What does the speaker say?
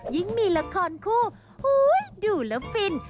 ยิ่งมีละครคู่ดูแล้วฟิน